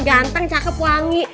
ganteng cakep wangi